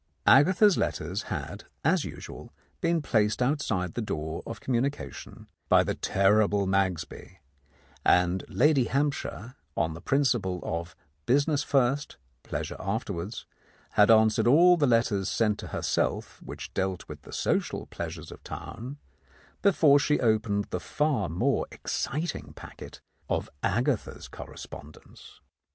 Agatha's letters had, as usual, been placed out side the door of communication by the terrible Magsby, and Lady Hampshire, on the principle of business first, pleasure afterwards, had answered all the letters sent to herself which dealt with the social pleasures of town before she opened the far more exciting packet of Agatha's correspondence.